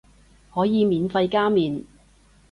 可以免費加麵